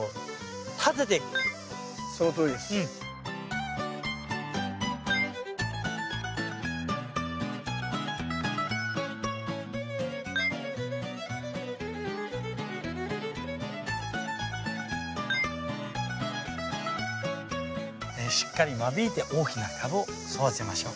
ねっしっかり間引いて大きなカブを育てましょう。